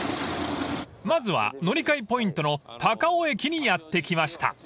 ［まずは乗り換えポイントの高尾駅にやって来ました］